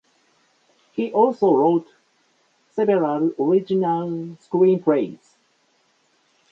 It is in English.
He also wrote several original screenplays.